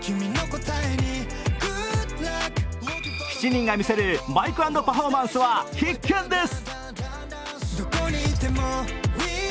７人が見せるマイク＆パフォーマンスは必見です。